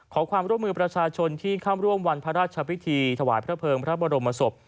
ขอความร่วมมือประชาชนที่เข้าร่วมวันพระราชพิธีถวายพระเภิงพระบรมศพ